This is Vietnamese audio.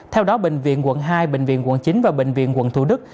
theo đó bệnh viện quận hai bệnh viện quận chín và bệnh viện quận thủ đức